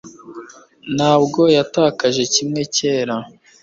Ntabwo yatakaje kimwe cyera